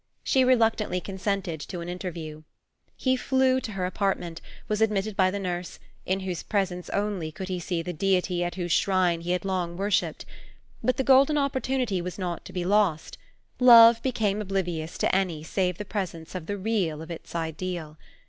She reluctantly consented to an interview. He flew to her apartment, was admitted by the nurse, in whose presence only could he see the deity at whose shrine he had long worshipped. But the golden opportunity was not to be lost; love became oblivious to any save the presence of the real of its ideal.